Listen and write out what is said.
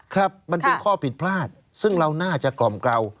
ครับมันเป็นข้อผิดพลาดซึ่งเราน่าจะกล่อมเกลา